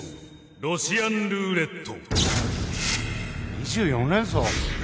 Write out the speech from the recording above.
ロシアンルーレット！？